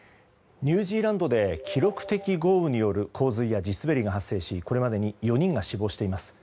ニュージーランドで記録的豪雨による洪水や地滑りが発生しこれまでに４人が死亡しています。